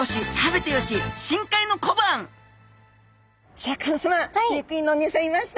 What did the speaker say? シャーク香音さま飼育員のおにいさんいました。